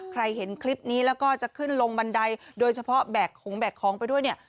เห็นคลิปนี้แล้วก็จะขึ้นลงบันไดโดยเฉพาะแบกของแบกของไปด้วยเนี่ย